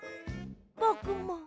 ぼくも。